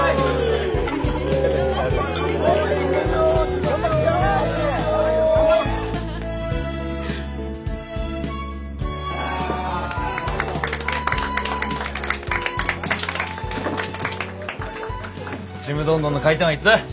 ちむどんどんの開店はいつ？